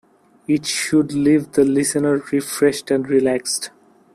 It should leave the listener refreshed and relaxed.